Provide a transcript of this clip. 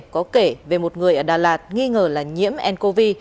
có kể về một người ở đà lạt nghi ngờ là nhiễm ncov